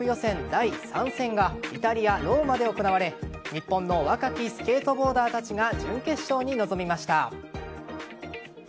第３戦がイタリア・ローマで行われ日本の若きスケートボーダーたちが準決勝に臨みました。